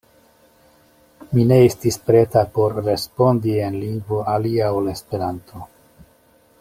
Mi ne estis preta por respondi en lingvo alia ol Esperanto.